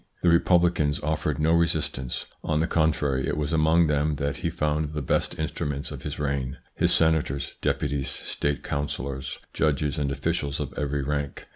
The Republicans offered no resistance ; on the contrary, it was among them that he found the best instruments of his reign, his Senators, Deputies, State Councillors, judges and officials of every rank.